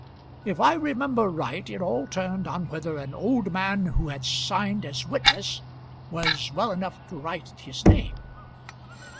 If I remember right it all turned on whether an old man who had signed as witness was well enough to write his name."